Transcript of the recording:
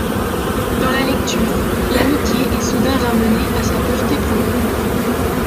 Dans la lecture, l’amitié est soudain ramenée à sa pureté première.